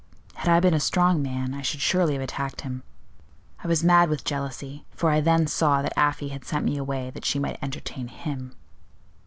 Had I been a strong man I should surely have attacked him. I was mad with jealousy; for I then saw that Afy had sent me away that she might entertain him."